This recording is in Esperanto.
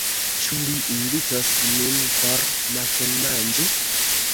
Ĉu li invitos nin por matenmanĝi?